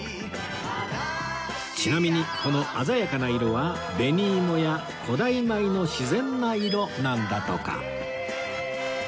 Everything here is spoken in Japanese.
ちなみにこの鮮やかな色は紅芋や古代米の自然な色なんだとか